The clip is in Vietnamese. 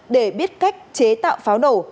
để biết cách chế tạo pháo nổ